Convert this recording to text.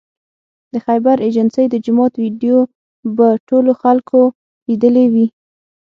د خیبر ایجنسۍ د جومات ویدیو به ټولو خلکو لیدلې وي